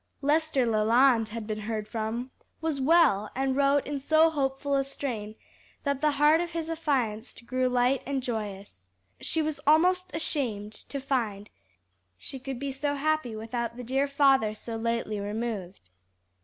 Lester Leland had been heard from, was well, and wrote in so hopeful a strain that the heart of his affianced grew light and joyous. She was almost ashamed to find she could be so happy without the dear father so lately removed.